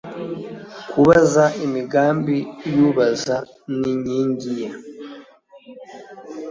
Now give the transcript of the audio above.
kubaza imigambi yubaza n inkingi ye